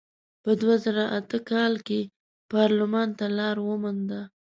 په دوه زره اته کال کې پارلمان ته لار ومونده.